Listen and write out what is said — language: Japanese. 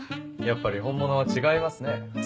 やっぱり本物は違いますね。